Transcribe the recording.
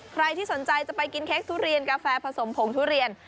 ใครที่สนใจจะไปกินเค้กทุเรียนกาแฟผสมผงทุเรียน